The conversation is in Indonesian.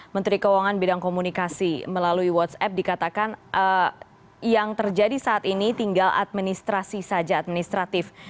menteri keuangan bidang komunikasi melalui whatsapp dikatakan yang terjadi saat ini tinggal administrasi saja administratif